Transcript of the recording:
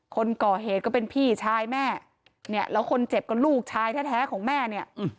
คนก่อเหตุก็เป็นพี่ชายแม่เนี่ยแล้วคนเจ็บก็ลูกชายแท้ของแม่เนี่ย